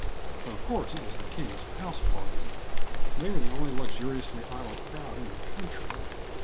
Of course, it was the Kings' house party; they were the only luxuriously idle crowd in the country.